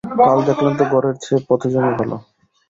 কাল দেখলেন তো ঘরের চেয়ে পথে জমে ভালো।